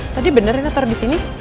tadi bener rena taro disini